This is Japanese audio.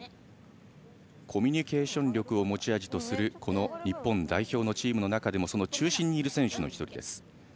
コミュニケーション力を持ち味とする日本代表のチームの中でもその中心にいる選手の１人。